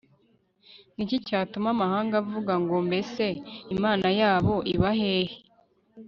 ni iki cyatuma amahanga avuga ngombese imana yabo iba hehe